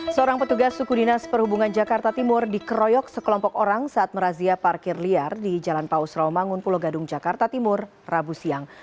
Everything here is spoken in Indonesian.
seorang petugas suku dinas perhubungan jakarta timur dikeroyok sekelompok orang saat merazia parkir liar di jalan paus rawamangun pulau gadung jakarta timur rabu siang